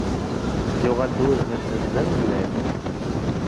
Yuɣal-d wudem-nnes d amellal.